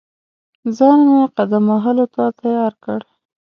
ځان مې قدم وهلو ته تیار کړ.